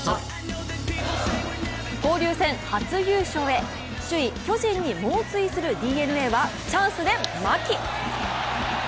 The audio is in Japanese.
交流戦初優勝へ首位・巨人に猛追するＤｅＮＡはチャンスで牧。